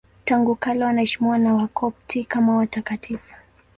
Tangu kale wanaheshimiwa na Wakopti kama watakatifu.